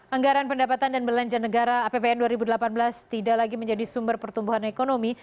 anggaran pendapatan dan belanja negara apbn dua ribu delapan belas tidak lagi menjadi sumber pertumbuhan ekonomi